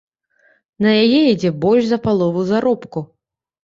На яе ідзе больш за палову заробку.